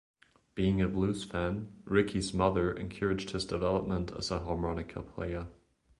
Being a blues fan, Ricci's mother encouraged his development as a harmonica player.